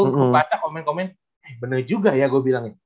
gua baca komen komen bener juga ya gua bilangnya